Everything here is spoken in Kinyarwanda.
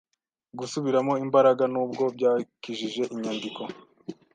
Gusubiramo imbaraga nubwo byakijije inyandiko